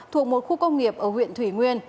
thuộc một khu công nghiệp ở huyện thủy nguyên